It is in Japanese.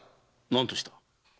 何とした？